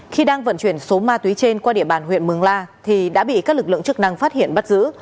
khi đang vận chuyển số ma túy trên qua địa bàn huyện mường la thì đã bị các lực lượng chức năng phát hiện bắt giữ